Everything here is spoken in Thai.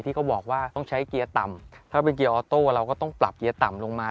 เขาบอกว่าต้องใช้เกียร์ต่ำถ้าเป็นเกียร์ออโต้เราก็ต้องปรับเกียร์ต่ำลงมา